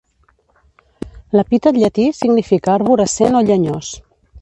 L'epítet llatí significa arborescent o llenyós.